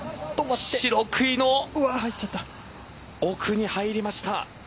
白くいの奥に入りました。